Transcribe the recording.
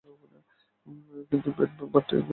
কিন্তু পেটে ভাতটি পড়লেই চোখ জড়িয়ে আসে, তার কী হবে?